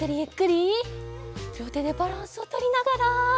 りょうてでバランスをとりながら。